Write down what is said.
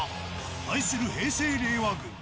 対する平成・令和軍。